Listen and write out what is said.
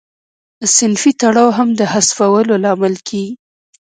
صنفي تړاو هم د حذفولو لامل کیږي.